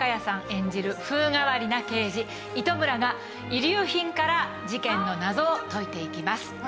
演じる風変わりな刑事糸村が遺留品から事件の謎を解いていきます。